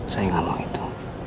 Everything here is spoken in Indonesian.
saya gak mau itu